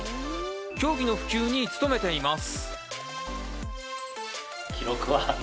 競技の普及に努めています。